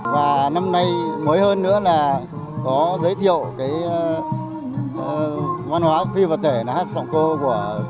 và năm nay mới hơn nữa là có giới thiệu cái văn hóa phi vật thể là hát sọng co của